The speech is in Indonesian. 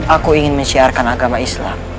aku ingin menciarkan agama islam